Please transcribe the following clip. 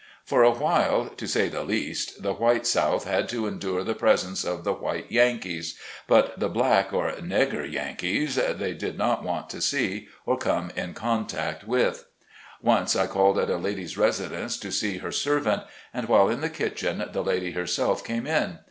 For a while, to say the least, the white South had to endure the presence of the white " Yankees "; RELIGION AT THE CLOSE OF THE WAR. 99 but the black or "negger Yankees" they did not want to see, or come in contact with. Once I called at a lady's residence to see her ser vant, and while in the kitchen the lady herself came in.